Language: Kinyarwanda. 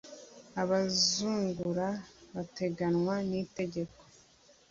abazungura bateganywa n’itegeko